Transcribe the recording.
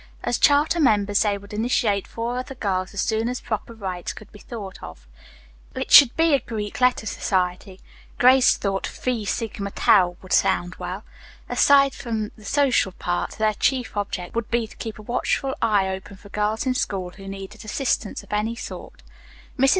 As charter members, they would initiate four other girls, as soon as proper rites could be thought of. It should be a Greek letter society. Grace thought "Phi Sigma Tau" would sound well. Aside from the social part, their chief object would be to keep a watchful eye open for girls in school who needed assistance of any sort. Mrs.